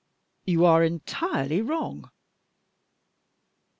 "You are entirely wrong."